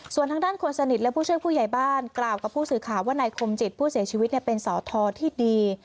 ส่วนทางด้านคนสนิทและผู้ช่วยผู้ใหญ่บ้านกล่าวกับผู้สื่อข่าวว่านายคมจิตผู้เสียชีวิตเป็นสอทอที่ดี